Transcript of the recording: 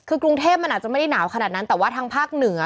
คือกรุงเทพมันอาจจะไม่ได้หนาวขนาดนั้นแต่ว่าทางภาคเหนือ